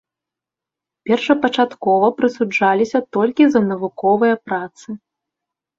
Першапачаткова прысуджаліся толькі за навуковыя працы.